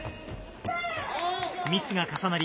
ミスが重なり